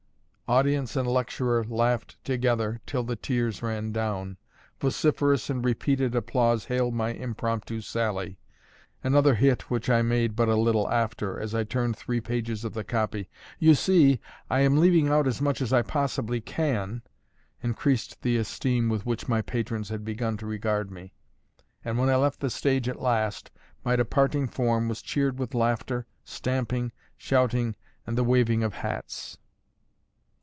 Audience and lecturer laughed together till the tears ran down; vociferous and repeated applause hailed my impromptu sally. Another hit which I made but a little after, as I turned three pages of the copy: "You see, I am leaving out as much as I possibly can," increased the esteem with which my patrons had begun to regard me; and when I left the stage at last, my departing form was cheered with laughter, stamping, shouting, and the waving of hats.